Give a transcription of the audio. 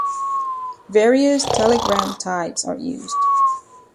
Various telegram types are used.